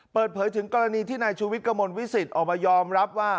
เปิดเผยถึงกรณีที่นายชูวิทย์กระมวลวิสิตออกมายอมรับว่า